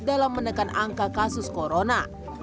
dalam menekan angka kasus corona